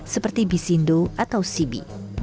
seperti bisindo atau sibi